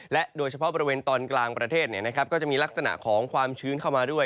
และโดยเฉพาะบริเวณตอนกลางประเทศก็จะมีลักษณะของความชื้นเข้ามาด้วย